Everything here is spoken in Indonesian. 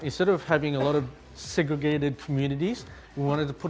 sebaliknya memiliki banyak komunitas yang segregar